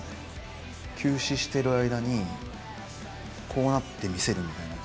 休止してる間にこうなってみせるみたいな。